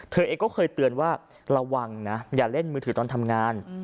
เธอเองก็เคยเตือนว่าระวังนะอย่าเล่นมือถือตอนทำงาน